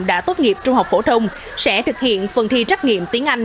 đã tốt nghiệp trung học phổ thông sẽ thực hiện phần thi trắc nghiệm tiếng anh